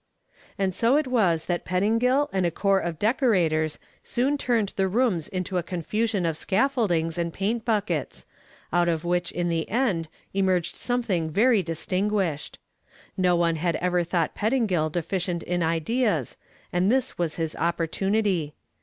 And so it was that Pettingill and a corps of decorators soon turned the rooms into a confusion of scaffoldings and paint buckets, out of which in the end emerged something very distinguished. No one had ever thought Pettingill deficient in ideas, and this was his opportunity.